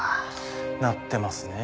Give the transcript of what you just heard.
鳴ってますねえ。